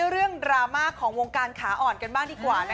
เรื่องดราม่าของวงการขาอ่อนกันบ้างดีกว่า